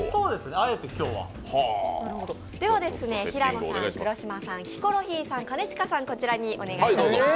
平野さん、黒島さん、ヒコロヒーさん、兼近さん、こちらにお願いします。